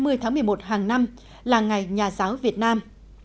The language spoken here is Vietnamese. hai mươi tháng một mươi một hàng năm là ngày nhà giáo việt nam